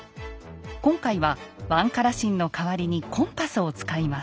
今回はわんか羅鍼の代わりにコンパスを使います。